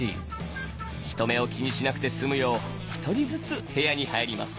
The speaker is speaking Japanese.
人目を気にしなくて済むよう１人ずつ部屋に入ります。